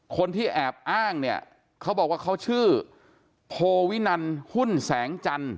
คนที่แอบอ้างเนี่ยเขาบอกว่าเขาชื่อโพวินันหุ้นแสงจันทร์